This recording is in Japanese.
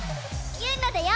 ゆうなだよ！